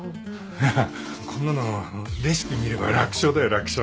いやこんなのレシピ見れば楽勝だよ楽勝。